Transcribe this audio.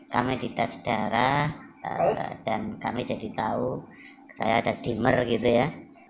kami di tes darah dan kami jadi tahu saya ada dimer gitu ya